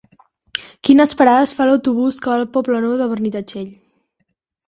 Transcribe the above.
Quines parades fa l'autobús que va al Poble Nou de Benitatxell?